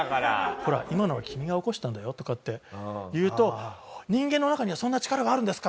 「ほら今のは君が起こしたんだよ」とかって言うと「人間の中にはそんな力があるんですか？」